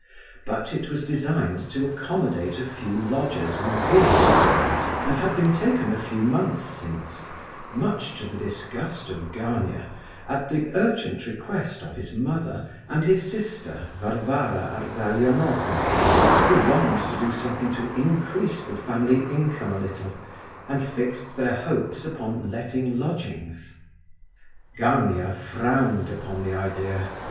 But it was designed to accommodate a few lodgers on board terms, and had been taken a few months since, much to the disgust of Gania, at the urgent request of his mother and his sister, Varvara Ardalionovna, who longed to do something to increase the family income a little, and fixed their hopes upon letting lodgings. Gania frowned upon the idea.